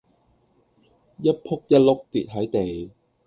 一僕一碌跌係地